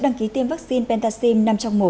đăng ký tiêm vaccine pentaxim năm trong một